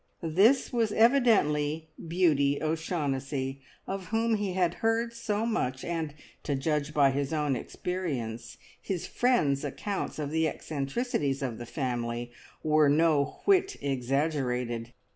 This was evidently "Beauty O'Shaughnessy," of whom he had heard so much, and, to judge by his own experience, his friends' accounts of the eccentricities of the family were no whit exaggerated.